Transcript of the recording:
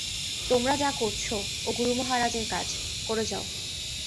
তোমরা যা করছ, ও গুরুমহারাজের কাজ, করে যাও।